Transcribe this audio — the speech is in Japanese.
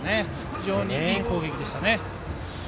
非常にいい攻撃でした。